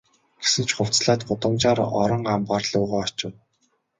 Гэсэн ч хувцаслаад гудамжаар орон амбаар луугаа очив.